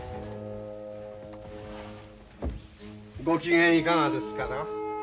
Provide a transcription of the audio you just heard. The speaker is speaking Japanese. ご機嫌いかがですかな？